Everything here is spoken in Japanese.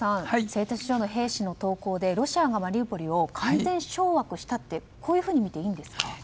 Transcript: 製鉄所の兵士の投降でロシアがマリウポリを完全掌握したとみていいんですか。